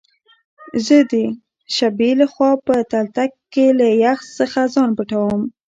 زه دشبی له خوا په تلتک کی له يخ ځخه ځان پټوم